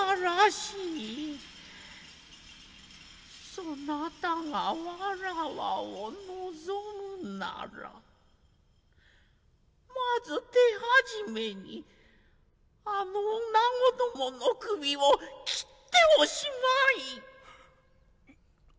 そなたがわらわを望むならまず手始めにあの女子どもの首を切っておしまい。